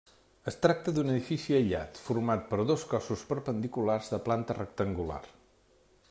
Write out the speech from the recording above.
Es tracta d'un edifici aïllat, format per dos cossos perpendiculars de planta rectangular.